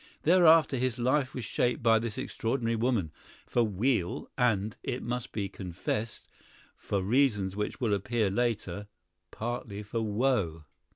Thereafter his life was shaped by this extraordinary woman, for weal and, it must be confessed, for reasons which will appear later, partly for woe.